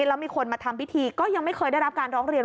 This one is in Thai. แล้วมีคนมาทำพิธีก็ยังไม่เคยได้รับการร้องเรียน